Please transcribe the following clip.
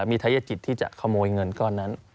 มีทัยจิตที่จะขโมยเงินก้อนนั้น